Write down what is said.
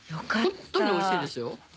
ホントにおいしいですよ。